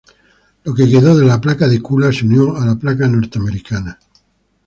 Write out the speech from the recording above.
Lo que quedó de la placa de Kula se unió a la placa norteamericana.